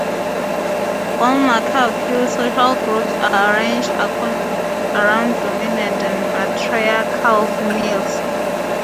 All macaque social groups are arranged around dominant, matriarchal females.